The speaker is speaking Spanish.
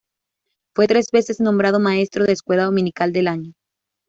Fue tres veces nombrado maestro de escuela dominical del año.